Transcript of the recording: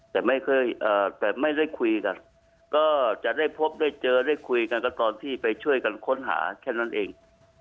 แต่ไม่เคยแต่ไม่ได้คุยกันก็จะได้พบได้เจอได้คุยกันก็ตอนที่ไปช่วยกันค้นหาแค่นั้นเอง